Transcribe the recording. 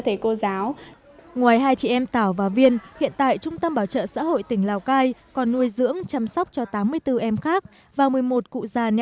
tuy nhiên trong những năm qua trung tâm bảo trợ xã hội tỉnh lào cai luôn cố gắng tạo mọi điều kiện